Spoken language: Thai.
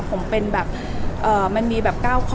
ผมเป็นแบบมันมีแบบ๙ข้อ